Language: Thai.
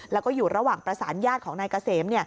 แล้วก็อยู่ระหว่างประสานญาติของนายเกษม